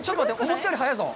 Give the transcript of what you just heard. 思ったより速いぞ。